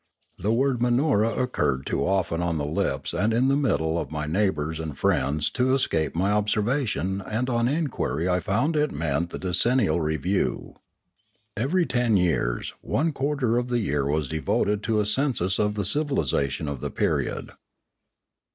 The word Manora occurred too often on the lips and in the minds of my neighbours and friends to escape my observation and on inquiry I found it meant the decennial review. Every ten years, one quarter of the year was devoted to a census of the civilisation of the period.